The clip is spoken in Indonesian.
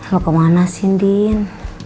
lo kemana sih din